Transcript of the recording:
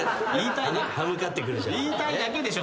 言いたいだけでしょ。